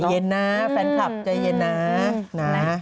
เย็นนะแฟนคลับใจเย็นนะนะ